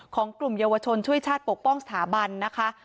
กลุ่มเยาวชนช่วยชาติปกป้องสถาบันนะคะ